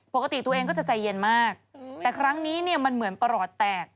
ปกติตัวเองก็จะใจเย็นมากแต่ครั้งนี้เนี่ยมันเหมือนประหลอดแตก